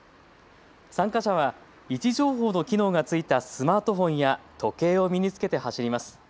参加者は位置情報の機能が付いたスマートフォンや時計を身につけて走ります。